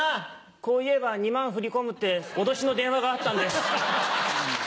こう言えば２万振り込むって脅しの電話があったんです。